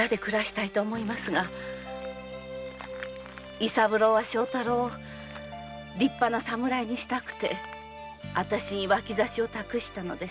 伊三郎は庄太郎を立派な侍にしたくてあたしに脇差を託したのでしょう。